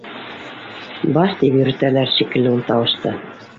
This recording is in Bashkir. «Бас» тип йөрөтәләр шикелле ул тауышты.